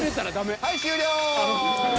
はい終了！